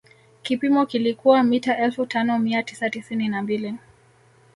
Kipimo kilikuwa mita elfu tano mia tisa tisini na mbili